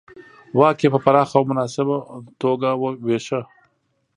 واک یې په پراخه او مناسبه توګه وېشه.